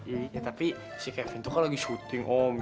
iya tapi si kevin tuh kalau lagi syuting om